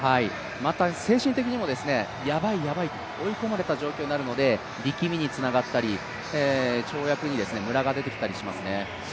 また精神的にも、ヤバい、ヤバいと追い込まれた状態になってきますので力みにつながったり、跳躍にむらが出てきたりしますね。